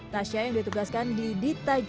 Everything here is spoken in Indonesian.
tasya yang ditugaskan di ditajajah